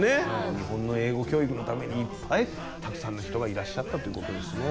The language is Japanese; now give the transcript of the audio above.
日本の英語教育のためにいっぱいたくさんの人がいらっしゃったということですね。